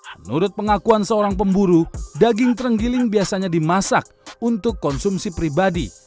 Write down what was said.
menurut pengakuan seorang pemburu daging terenggiling biasanya dimasak untuk konsumsi pribadi